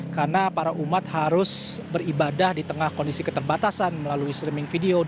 karena para umat harus beribadah di tengah kondisi keterbatasan melalui streaming video